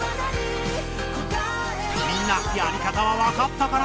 みんなやり方はわかったかな？